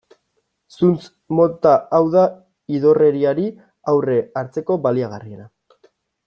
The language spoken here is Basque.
Zuntz mota hau da idorreriari aurre hartzeko baliagarriena.